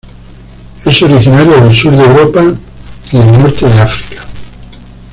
Es originaria del sur de Europa y el Norte de África.